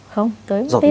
không tôi không tin